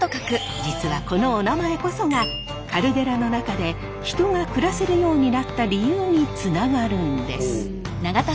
実はこのおなまえこそがカルデラの中で人が暮らせるようになった理由につながるんです。